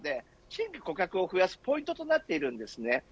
新規顧客を増やすポイントになっています。